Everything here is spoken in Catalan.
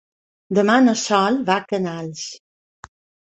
Demà na Sol va a Canals.